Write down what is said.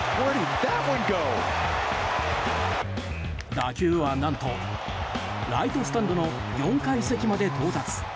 打球は何と、ライトスタンドの４階席まで到達。